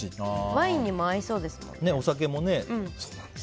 ワインにも合いそうですね。